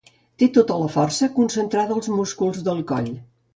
Té tota la força concentrada als músculs del coll.